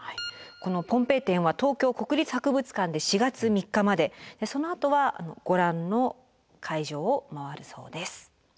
この「ポンペイ展」は東京国立博物館で４月３日までそのあとはご覧の会場を回るそうです。